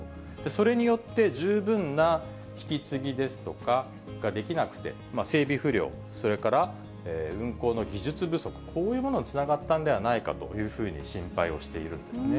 それによって、十分な引き継ぎですとかができなくて、整備不良、それから運航の技術不足、こういうものにつながったんではないかというふうに心配をしているんですね。